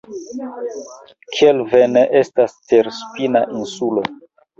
Kelvenne estas terspina insulo.